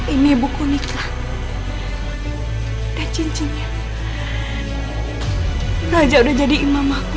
ini buku nikah dan cincinnya raja udah jadi imam aku